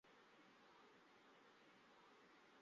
特鲁瓦永人口变化图示